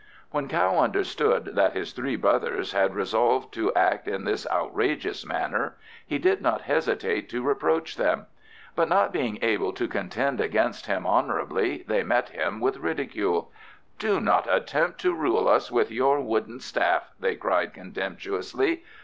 When Kao understood that his three brothers had resolved to act in this outrageous manner he did not hesitate to reproach them; but not being able to contend against him honourably, they met him with ridicule. "Do not attempt to rule us with your wooden staff," they cried contemptuously.